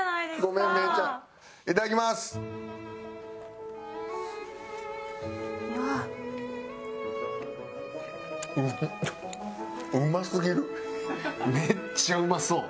めっちゃうまそう！